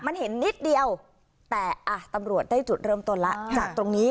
มันเห็นนิดเดียวแต่อ่ะตำรวจได้จุดเริ่มต้นแล้วจากตรงนี้